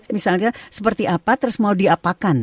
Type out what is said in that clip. misalnya seperti apa terus mau diapakan